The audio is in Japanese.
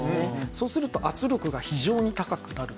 そうすると圧力が非常に高くなると。